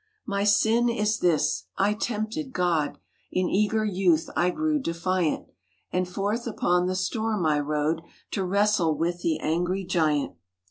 "My sin is this — I tempted God, In eager youth I grew defiant; And forth upon the storm I rode To wrestle with the angry giant.